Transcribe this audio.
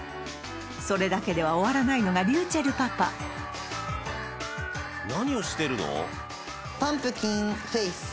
それだけでは終わらないのがりゅうちぇるパパ何をしてるの？